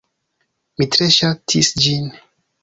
Mi tre ŝatis ĝin.